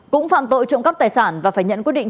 cũng phạm tội trộm cắp tài sản và phải nhận quyết định